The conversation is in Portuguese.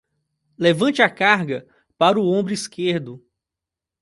Levante a carga para o ombro esquerdo.